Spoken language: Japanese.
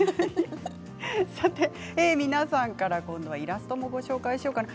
皆さんからのイラストもご紹介しようかな。